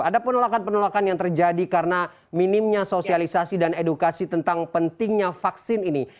ada penolakan penolakan yang terjadi karena minimnya sosialisasi dan edukasi tentang pentingnya vaksin ini